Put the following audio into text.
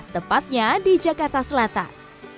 tepatnya di jakarta selatan